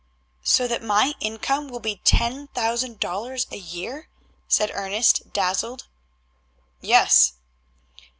"So that my income will be ten thousand dollars a year?" said Ernest, dazzled. "Yes."